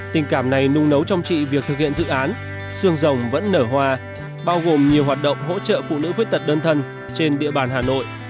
tình cảm này nung nấu trong chị việc thực hiện dự án sương rồng vẫn nở hoa bao gồm nhiều hoạt động hỗ trợ phụ nữ khuyết tật đơn thân trên địa bàn hà nội